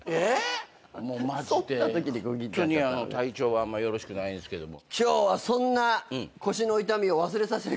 もうマジで体調はあんまよろしくないんすけども。